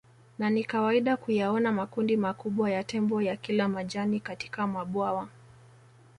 Na ni kawaida kuyaona makundi makubwa ya Tembo ya kila majani katika mabwawa